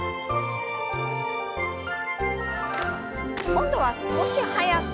今度は少し速く。